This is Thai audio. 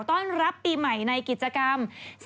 ต้อนรับปีใหม่ในกิจกรรม